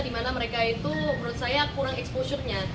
di mana mereka itu menurut saya kurang exposure nya